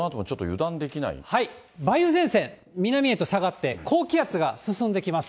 梅雨前線、南へと下がって、高気圧が進んできます。